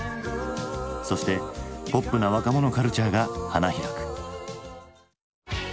そしてポップな若者カルチャーが花開く。